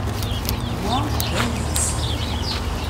Wa d ayis.